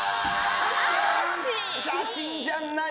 写真じゃない。